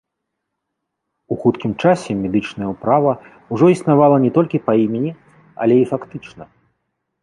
У хуткім часе медычная ўправа ўжо існавала не толькі па імені, але і фактычна.